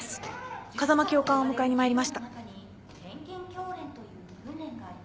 風間教官をお迎えに参りました。